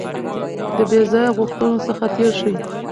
د بې ځایه غوښتنو څخه تېر شئ.